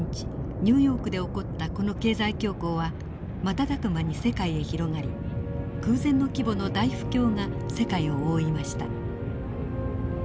ニューヨークで起こったこの経済恐慌は瞬く間に世界へ広がり空前の規模の大不況が世界を覆いました。